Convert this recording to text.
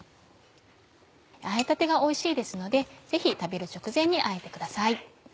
あえたてがおいしいですのでぜひ食べる直前にあえてください。